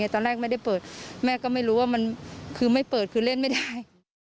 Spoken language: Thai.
ตอนแรกไม่ได้เปิดแม่ก็ไม่รู้ว่ามันคือไม่เปิดคือเล่นไม่ได้